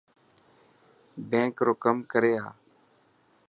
بينڪ رو ڪم ڪري آءِ.